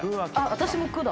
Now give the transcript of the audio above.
私も「く」だ。